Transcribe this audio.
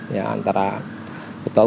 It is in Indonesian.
ya antara betul umum